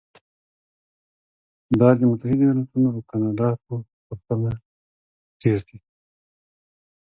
دا د متحده ایالتونو او کاناډا په پرتله ډېر دي.